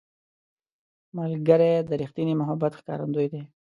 ملګری د ریښتیني محبت ښکارندوی دی